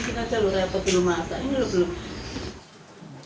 kita jualnya apa dulu masa ini belum belum